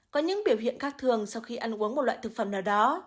có những biểu hiện khác thường sau khi ăn uống một loại thực phẩm nào đó